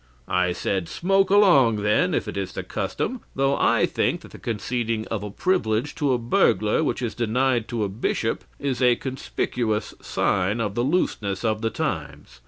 "I said: 'Smoke along, then, if it is the custom, though I think that the conceding of a privilege to a burglar which is denied to a bishop is a conspicuous sign of the looseness of the times.